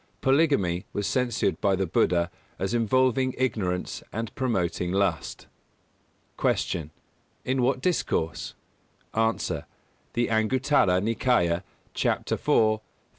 Polygamy was censured by the Buddha as involving ignorance and promoting lust. 206. Q. In what discourse? A. The Anguttara Nikāya, Chapter iv, 55.